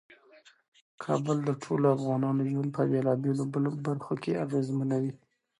کابل د ټولو افغانانو ژوند په بیلابیلو برخو کې اغیزمنوي.